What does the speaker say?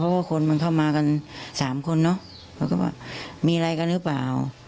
เพราะว่าคนเข้ามา๓คนมีอะไรกันหรือเปล่า